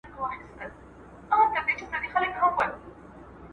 افغانان د نړیوالي سولي د تامین پر وړاندي نه خنډیږي او هلې ځلې کوي.